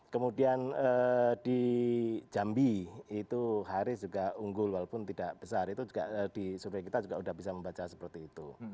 kemudian di jambi itu haris juga unggul walaupun tidak besar itu juga di survei kita juga sudah bisa membaca seperti itu